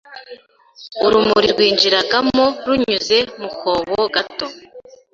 urumuri rwinjiragamo runyuze mu kobo gato